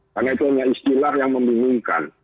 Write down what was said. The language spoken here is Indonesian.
karena itu hanya istilah yang membingungkan